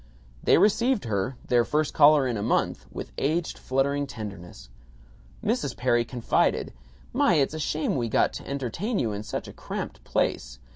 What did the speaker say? They received her (their first caller in a month) with aged fluttering tenderness. Mrs. Perry confided, "My, it's a shame we got to entertain you in such a cramped place.